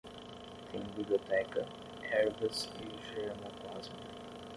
Tem biblioteca, ervas e germoplasma.